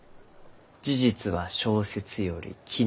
「事実は小説より奇なり」。